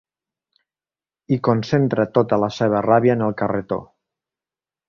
I concentra tota la seva ràbia en el carretó.